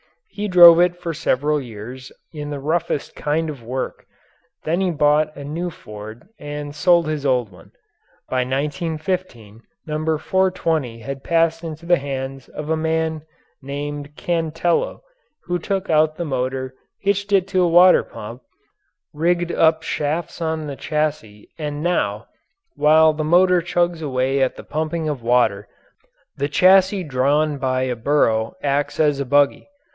He drove it for several years in the roughest kind of work. Then he bought a new Ford and sold his old one. By 1915 No. 420 had passed into the hands of a man named Cantello who took out the motor, hitched it to a water pump, rigged up shafts on the chassis and now, while the motor chugs away at the pumping of water, the chassis drawn by a burro acts as a buggy.